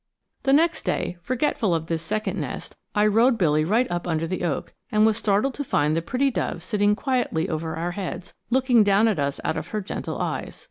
The next day, forgetful of this second nest, I rode Billy right up under the oak, and was startled to find the pretty dove sitting quietly over our heads, looking down at us out of her gentle eyes.